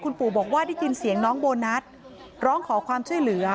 ปู่บอกว่าได้ยินเสียงน้องโบนัสร้องขอความช่วยเหลือ